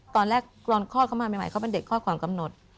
ตอนคลอดเข้ามาใหม่เขาเป็นเด็กคลอดความกำหนด